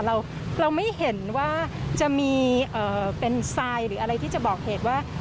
เราไม่เห็นว่าจะมีเป็นทรายหรืออะไรที่จะบอกเหตุว่า